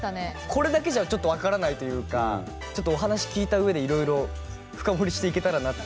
これだけじゃちょっと分からないというかちょっとお話聞いたうえでいろいろ深掘りしていけたらなって。